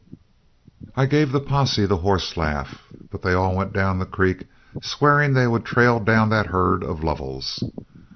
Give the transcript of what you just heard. I gave the posse the horse laugh, but they all went down the creek, swearing they would trail down that herd of Lovell's.